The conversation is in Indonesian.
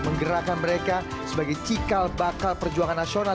menggerakkan mereka sebagai cikal bakal perjuangan nasional